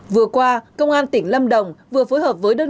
vừa qua công an tỉnh lâm đồng vừa phối hợp với đảng cộng đồng